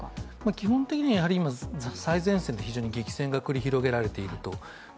基本的には最前線で非常に激戦が繰り広げられていると。